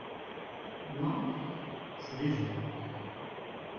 Moi, je l'ai vu.